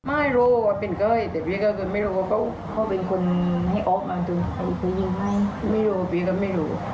อาจสามารถไม่ได้